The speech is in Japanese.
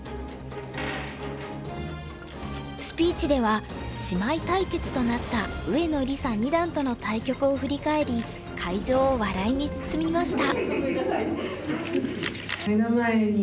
スピーチでは姉妹対決となった上野梨紗二段との対局を振り返り会場を笑いに包みました。